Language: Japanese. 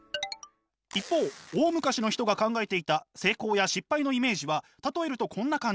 一方大昔の人が考えていた成功や失敗のイメージは例えるとこんな感じ。